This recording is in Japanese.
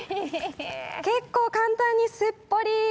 結構簡単にすっぽり。